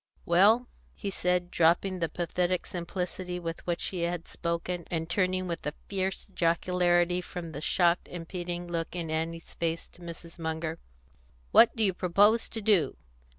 Well," he said, dropping the pathetic simplicity with which he had spoken, and turning with a fierce jocularity from the shocked and pitying look in Annie's face to Mrs. Munger, "what do you propose to do?